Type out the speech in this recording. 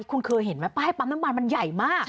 คุณเคยเห็นไหมป้ายปั๊มน้ำมันมันใหญ่มาก